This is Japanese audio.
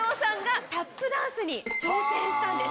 タップダンスに挑戦したんです。